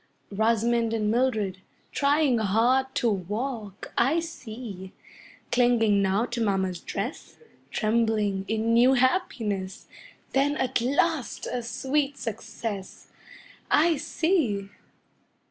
Rosamond and Mildred, trying hard to walk I see! Clinging now to mamma's dress, Trembling in new happiness, Then at last a sweet success I see!